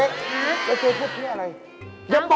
แล้วเจ๊พูดแบบนี้อะไร